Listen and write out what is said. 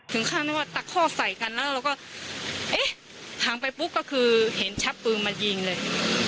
ถึงขั้นไม่ว่าตะคอกใส่กันแล้วเราก็เอ๊ะห่างไปปุ๊บก็คือเห็นชักปืนมายิงเลย